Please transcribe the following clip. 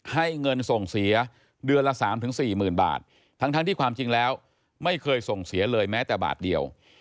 ให้เงินส่งเสียเดือนละ๓๔๐๐๐บาททั้งที่ความจริงแล้วไม่เคยส่งเสียเลยแม้แต่บาทเดียว